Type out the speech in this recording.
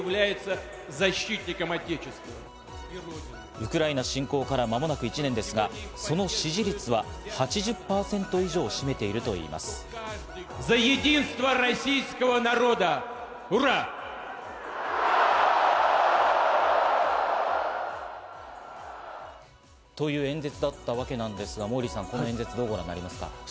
ウクライナ侵攻からまもなく１年ですが、その支持率は８０％以上を占めているといいます。という演説だったわけなんですが、モーリーさん、どうご覧になりますか？